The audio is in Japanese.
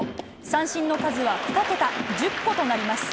三振の数は２桁、１０個となります。